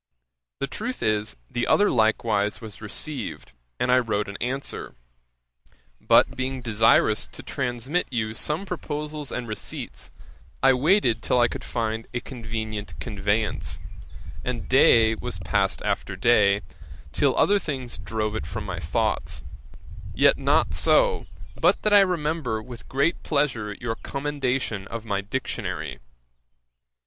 The truth is, the other likewise was received, and I wrote an answer; but being desirous to transmit you some proposals and receipts, I waited till I could find a convenient conveyance, and day was passed after day, till other things drove it from my thoughts; yet not so, but that I remember with great pleasure your commendation of my Dictionary.